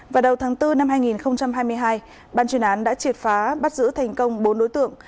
vào đầu tháng bốn năm hai nghìn hai mươi hai ban chuyên án đã triệt phá bắt giữ thành công bốn đối tượng